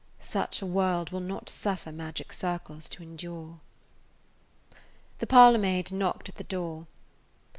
Such a world will not suffer magic circles to endure. The parlor maid knocked at the door.